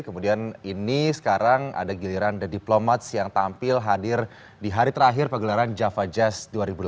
kemudian ini sekarang ada giliran the diplomats yang tampil hadir di hari terakhir pegelaran java jazz dua ribu delapan belas